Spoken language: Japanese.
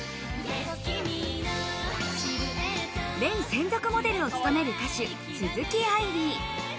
『Ｒａｙ』専属モデルを務める歌手、鈴木愛理。